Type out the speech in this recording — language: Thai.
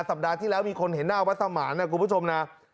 สัปดาห์ที่แล้วมีคนเห็นหน้าวัดสมานนะคุณผู้ชมนะ